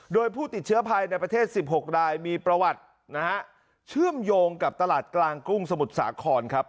โดยผู้ติดเชื้อภายในประเทศ๑๖รายมีประวัตินะฮะเชื่อมโยงกับตลาดกลางกุ้งสมุทรสาครครับ